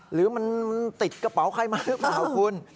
หรือมันติดกระเป๋าใครมาหรือเปล่าคุณ